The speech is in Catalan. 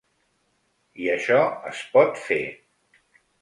I això es pot fer.